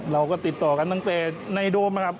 เราก็ติดต่อกันตั้งแต่ในโดมนะครับ